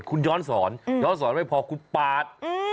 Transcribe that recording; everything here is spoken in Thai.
คุณย้อนสอนย้อนสอนไม่พอคุณปาด